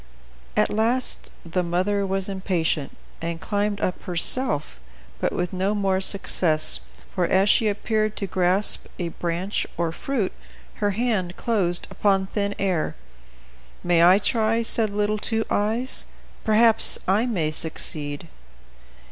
At last the mother was impatient, and climbed up herself, but with no more success, for, as she appeared to grasp a branch, or fruit, her hand closed upon thin air. "May I try?" said little Two Eyes; "perhaps I may succeed."